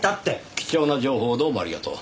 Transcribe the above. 貴重な情報をどうもありがとう。